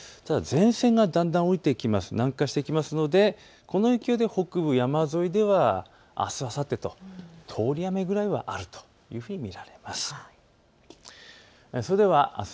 前線がだんだん南下してくるのでこの勢いで北部、山沿いではあすあさってと通り雨ぐらいはあると見られます。